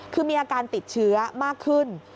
คือมีอาการติดเชื้อมากขึ้น